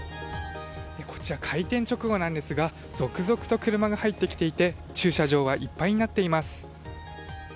開店直後なんですが続々と車が入ってきていて駐車場はいっぱいになっています。